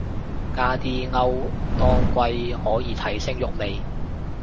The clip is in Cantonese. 加啲歐當歸可以提升肉味